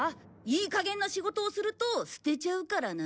いい加減な仕事をすると捨てちゃうからな！